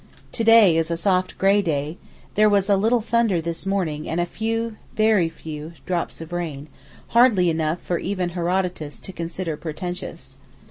To day is a soft gray day; there was a little thunder this morning and a few, very few, drops of rain—hardly enough for even Herodotus to consider portentous.